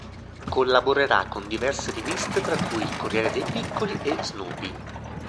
Collaborerà con diverse riviste tra cui il Corriere dei Piccoli e Snoopy.